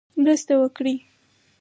مرسته وکړي.